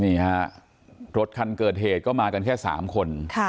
นี่ฮะรถคันเกิดเหตุก็มากันแค่๓คน